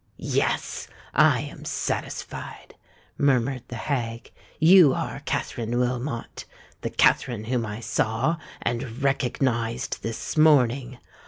"Yes—I am satisfied!" murmured the hag. "You are Katherine Wilmot—the Katherine whom I saw and recognised this morning.